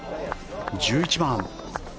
１１番。